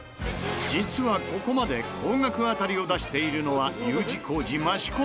実はここまで高額当たりを出しているのはＵ字工事益子のみ。